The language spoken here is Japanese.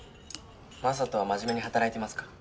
雅人は真面目に働いてますか？